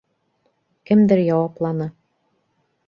Кемдер яуапланы: